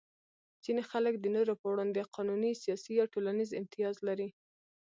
ځینې خلک د نورو په وړاندې قانوني، سیاسي یا ټولنیز امتیاز لري.